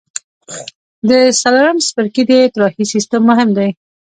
د څلورم څپرکي د اطراحي سیستم مهم دی.